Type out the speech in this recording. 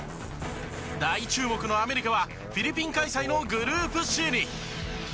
大注目のアメリカはフィリピン開催のグループＣに。